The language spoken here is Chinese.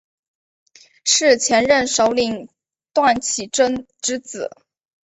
是前任首领段乞珍之子。